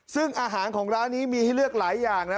ซึ่งอาหารของร้านนี้มีให้เลือกหลายอย่างนะ